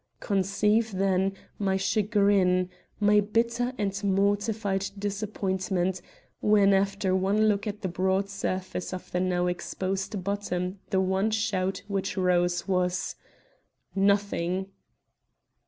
Conceive, then, my chagrin, my bitter and mortified disappointment, when, after one look at the broad surface of the now exposed bottom the one shout which rose was: "_Nothing!